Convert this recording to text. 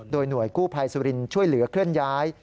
โดยหน่วยกู้ภัยสุรินทร์ช่วยเหลือเคลื่อนย้าย